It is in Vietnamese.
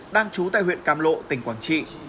đang trú tại huyện cam lộ tỉnh quảng trị